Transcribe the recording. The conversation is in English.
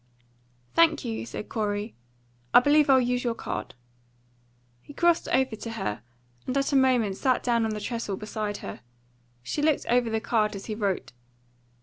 "Thank you," said Corey. "I believe I'll use your card." He crossed over to her, and after a moment sat down on the trestle beside her. She looked over the card as he wrote.